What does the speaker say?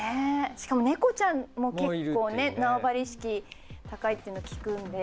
しかも猫ちゃんも結構ね縄張り意識高いっていうのを聞くので。